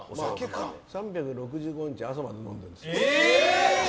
３６５日朝まで飲んでます。